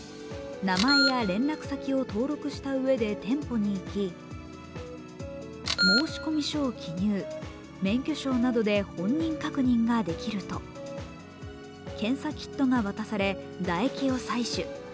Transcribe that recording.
名前や連絡先を登録したうえで店舗に行き申込書を記入、免許証などで本人確認ができると検査キットが渡され唾液を採取。